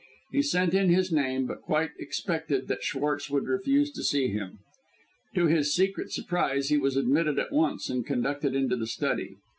He sent in his name, but quite expected that Schwartz would refuse to see him. To his secret surprise he was admitted at once and conducted into the study.